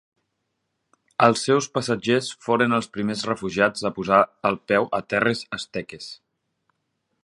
Els seus passatgers foren els primers refugiats a posar el peu a terres asteques.